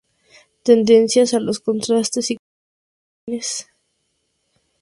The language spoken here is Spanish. Tendencia a los contrastes y contradicciones mediante el uso de antítesis y paradojas.